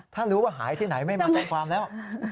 ถ้ารู้ว่าหายที่ไหนไม่มาแจ้งความแล้ว